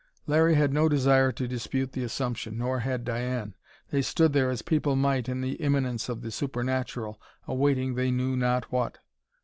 Larry had no desire to dispute the assumption, nor had Diane. They stood there as people might in the imminence of the supernatural, awaiting they knew not what.